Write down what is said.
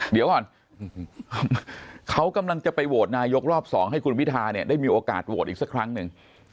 เดี๋ยวก่อนเขากำลังจะไปโหวตนายกรอบ๒ให้คุณพิทาเนี่ยได้มีโอกาสโหวตอีกสักครั้งหนึ่ง